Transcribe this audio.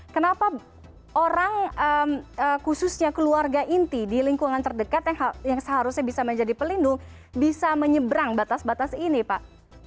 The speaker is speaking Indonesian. kenapa orang khususnya keluarga inti di lingkungan terdekat yang seharusnya bisa menjadi pelindung bisa menyeberang batas batas ini pak